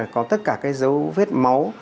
có tất cả dấu vết máu